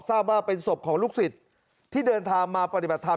ทราบว่าเป็นศพของลูกศิษย์ที่เดินทางมาปฏิบัติธรรม